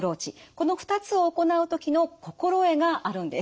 この２つを行う時の心得があるんです。